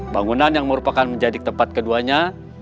bangunan yang merupakan menjadi tempat keduanya